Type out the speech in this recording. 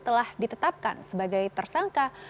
setelah itu rat ditetapkan sebagai tersangka